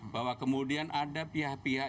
bahwa kemudian ada pihak pihak